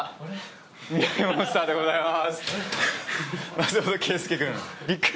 『ミライ☆モンスター』でございます。